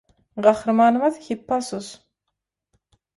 Gahrymanymyz Hippasus.